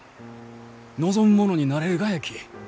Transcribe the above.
望む者になれるがやき。